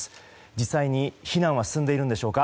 実際に、避難は進んでいるんでしょうか。